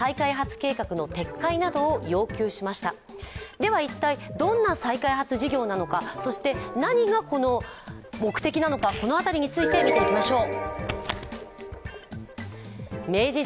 では一体、どんな再開発事業なのか何が目的なのか、この辺りについて見ていきましょう。